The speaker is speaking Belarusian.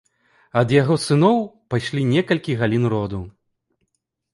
Ад яго сыноў пайшлі некалькі галін роду.